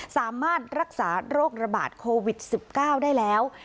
สามารถรักษาโรคระบาดโควิด๑๙ได้แล้ว